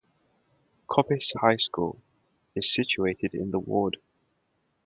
Coppice High School is situated in the ward.